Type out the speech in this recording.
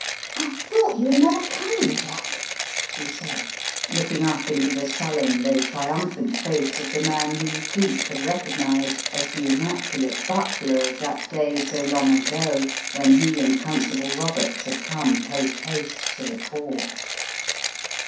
"I thought you were never coming, Jack," she said, looking up into the sullen though triumphant 210 The Riddle of the Purple Emperor face of the man whom Geek had recognized as the im maculate butler of that day so long ago when he and Constable Roberts had come post haste to the Court.